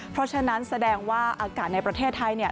เพราะฉะนั้นแสดงว่าอากาศในประเทศไทยเนี่ย